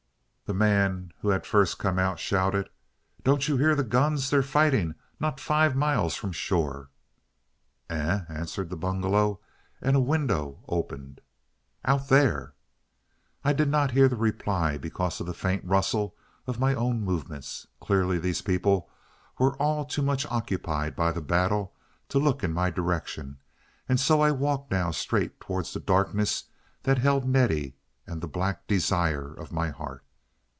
The man who had first come out shouted, "Don't you hear the guns? They're fighting—not five miles from shore." "Eh?" answered the bungalow, and a window opened. "Out there!" I did not hear the reply, because of the faint rustle of my own movements. Clearly these people were all too much occupied by the battle to look in my direction, and so I walked now straight toward the darkness that held Nettie and the black desire of my heart.